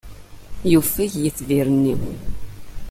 Yufeg yitbir-nni.